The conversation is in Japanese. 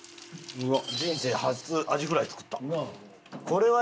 うわっ！